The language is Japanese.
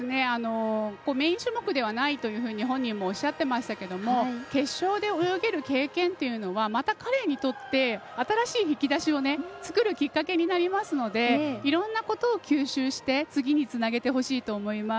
メイン種目ではないというふうに本人もおっしゃってましたけど決勝で泳げる経験というのはまた彼にとって新しい引き出しを作るきっかけになりますのでいろんなことを吸収して次につなげてほしいなと思います。